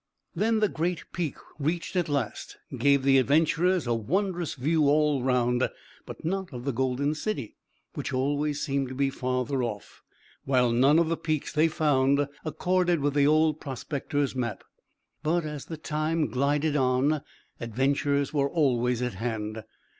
Then the great peak, reached at last, gave the adventurers a wondrous view all round, but not of the golden city, which always seemed to be farther off, while none of the peaks they found accorded with the old prospector's map. But as the time glided on adventures were always at hand.